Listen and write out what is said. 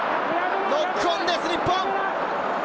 ノックオンです、日本。